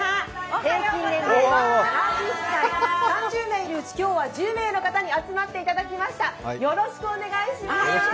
平均年齢は７０歳３０名のうち１０名の方に集まっていただきました。